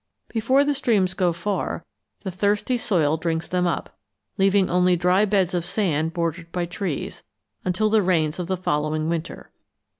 Before the streams go far, the thirsty soil drinks them up, leaving only dry beds of sand bordered by trees, until the rains of the following winter.